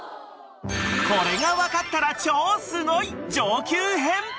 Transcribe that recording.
［これが分かったら超すごい！］